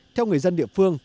theo người dân địa phương